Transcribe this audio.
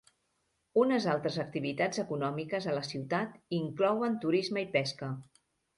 Unes altres activitats econòmiques a la ciutat inclouen turisme i pesca.